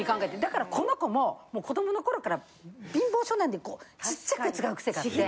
だからこの子も子供の頃から貧乏性なんでちっちゃく使うクセがあって。